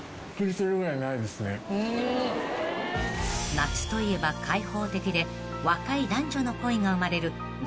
［夏といえば開放的で若い男女の恋が生まれる］